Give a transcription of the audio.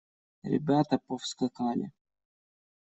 Ребята повскакали.